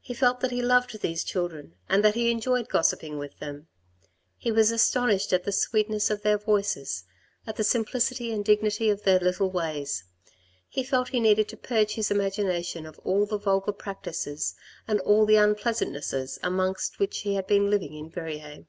He felt that he loved these children and that he enjoyed gossiping with them. He was astonished at the sweetness of their voices, at the simplicity and dignity of their little ways ; he felt he needed to purge his imagination of all the vulgar practices and all the unpleasant nesses among which he had been living in Verrieres.